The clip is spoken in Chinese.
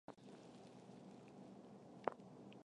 刺巢鼠属等之数种哺乳动物。